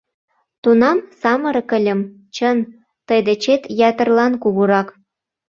Тунам самырык ыльым, чын, тый дечет ятырлан кугурак.